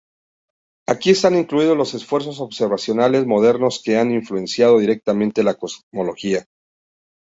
Aquí están incluidos los esfuerzos observacionales modernos que han influenciados directamente la cosmología.